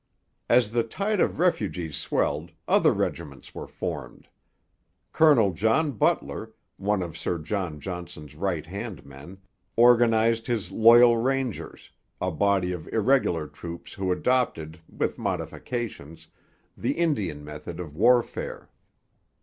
As the tide of refugees swelled, other regiments were formed. Colonel John Butler, one of Sir John Johnson's right hand men, organized his Loyal Rangers, a body of irregular troops who adopted, with modifications, the Indian method of warfare.